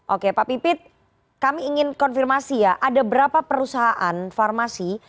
oke pak pipit kami ingin konfirmasi ya ada berapa perusahaan farmasi